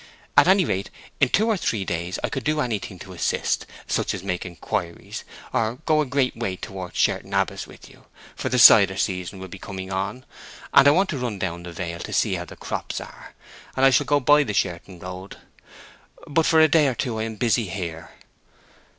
At any rate, in two or three days I could do anything to assist—such as make inquiries, or go a great way towards Sherton Abbas with you; for the cider season will soon be coming on, and I want to run down to the Vale to see how the crops are, and I shall go by the Sherton road. But for a day or two I am busy here."